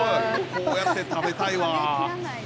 こうやって食べたいわ。